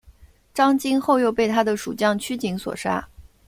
张津后又被他的属将区景所杀。